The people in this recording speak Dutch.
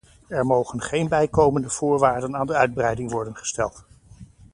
Er mogen geen bijkomende voorwaarden aan de uitbreiding worden gesteld.